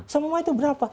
semua itu berapa